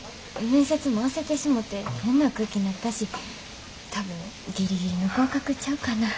面接も焦ってしもて変な空気なったし多分ギリギリの合格ちゃうかな。